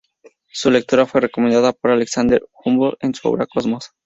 Su lectura fue recomendada por Alexander Humboldt en su obra "Cosmos".